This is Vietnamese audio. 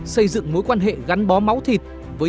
xây dựng mối quan hệ gắn bó máu thịt